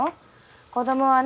子どもはね